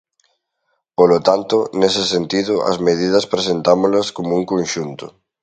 Polo tanto, nese sentido as medidas presentámolas como un conxunto.